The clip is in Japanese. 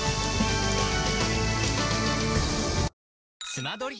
スマドリ！